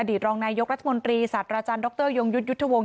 อดีตรองนายยกรัฐมนตรีศาสตราจารย์ดรยงยุทธ์ยุทธวงศ์